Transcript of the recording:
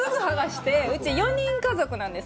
うちは４人家族なんです。